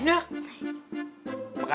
terima kasih pak ustadz